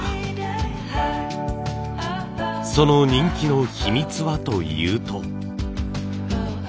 その人気の秘密はというと。